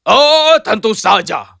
oh tentu saja